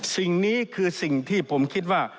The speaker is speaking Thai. สิ่งนี้คือสิ่งที่ผมคิดว่า